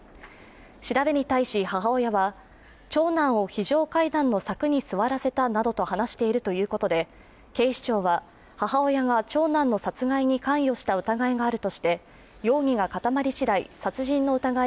調べに対し母親は、長男を非常階段の柵に座らせたなどと話しているということで、警視庁は母親が長男の殺害に関与した疑いがあるとして容疑が固まりしだい